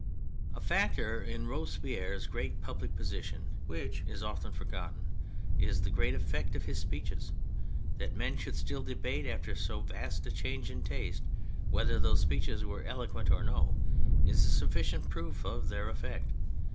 A factor in Robespierre's great public position which is often forgotten is the great effect of his speeches. That men should still debate, after so vast a change in taste, whether those speeches were eloquent or no, is a sufficient proof of their effect.